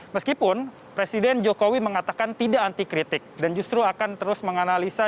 meskipun presiden jokowi mengatakan tidak anti kritik dan justru akan terus menganalisa